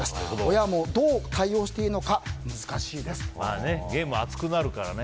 親もどう対応したらいいのかゲーム熱くなるからね。